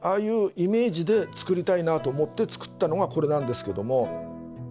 イメージで作りたいなと思って作ったのがこれなんですけれども。